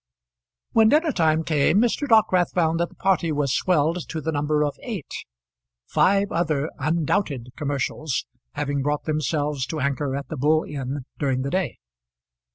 When dinner time came Mr. Dockwrath found that the party was swelled to the number of eight, five other undoubted commercials having brought themselves to anchor at the Bull Inn during the day.